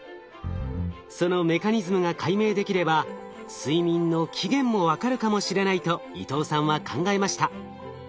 そのメカニズムが解明できれば睡眠の起源も分かるかもしれないと伊藤さんは考えました。